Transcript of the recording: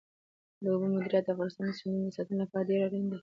د اوبو مدیریت د افغانستان د سیندونو د ساتنې لپاره ډېر اړین دی.